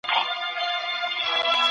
تاسي په خپلو کارونو کي صداقت لرئ.